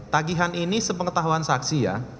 tagihan ini sepengetahuan saksi ya